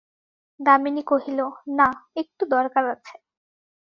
দামিনী কহিল, না, একটু দরকার আছে।